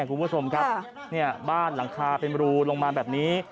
คุณผู้ชมครับเนี่ยบ้านหลังคาเป็นรูลงมาแบบนี้